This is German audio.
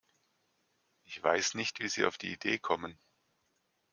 Ich weiß nicht, wie Sie auf die Idee kommen.